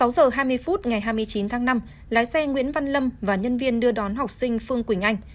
sáu giờ hai mươi phút ngày hai mươi chín tháng năm lái xe nguyễn văn lâm và nhân viên đưa đón học sinh phương quỳnh anh